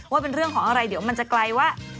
ว่าเป็นเรื่องของอะไรเดี๋ยวมันจะไกลว่า